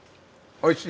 おいしい！